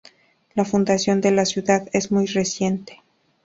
La fundación de la ciudad es muy reciente.